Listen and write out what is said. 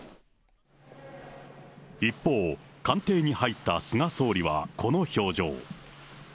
一方、官邸に入った菅総理は、この表情。